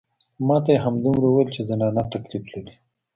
ما ته يې همدومره وويل چې زنانه تکليف لري.